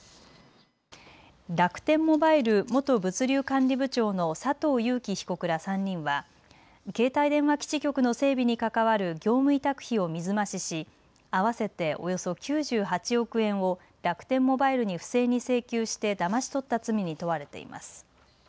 楽天モバイル元物流管理部長の佐藤友紀被告ら３人は携帯電話基地局の整備に関わる業務委託費を水増しし合わせておよそ９８億円を楽天モバイルに不正に請求してだまし取った罪に問われています。